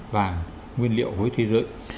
vàng nguyên liệu với thế giới